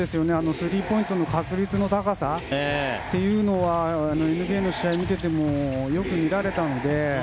スリーポイントの確率の高さというのはＮＢＡの試合を見ててもよく見られたので。